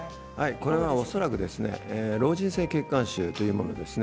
これはおそらく老人性血管腫というものです。